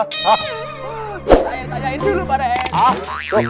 saya tanyain dulu pak raiet